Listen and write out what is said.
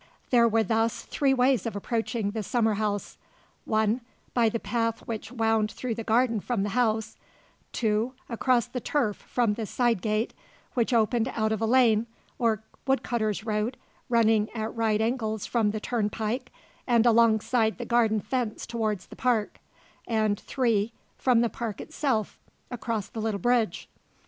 There were thus three ways of approaching the summer house; (1) by the path which wound through the garden from the house, (2) across the turf from the side gate, which opened out of a lane, or woodcutters' road, running at right angles from the turnpike and alongside the garden fence towards the park; and (3) from the park itself, across the little bridge.